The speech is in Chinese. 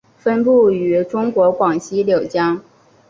分布于中国广西柳江。